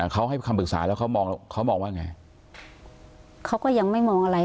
เขาให้คำปรึกษาแล้วเขามองว่าไง